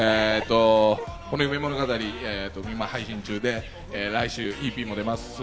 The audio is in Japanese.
この『夢物語』、今、配信中で来週ＥＰも出ます。